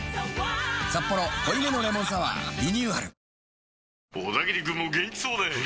「サッポロ濃いめのレモンサワー」リニューアル